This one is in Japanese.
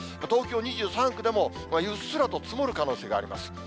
東京２３区でも、うっすらと積もる可能性があります。